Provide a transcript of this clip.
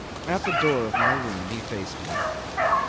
At the door of my room he faced me.